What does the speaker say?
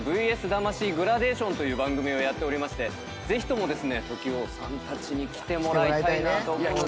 『ＶＳ魂グラデーション』という番組をやっておりましてぜひともですねＴＯＫＩＯさんたちに来てもらいたいなと。